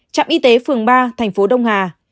trạm y tế phường ba tp đông hà